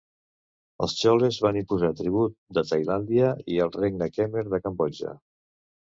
Els Txoles van imposar tribut de Tailàndia i el regne Khmer de Cambodja.